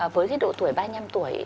với cái độ tuổi ba mươi năm tuổi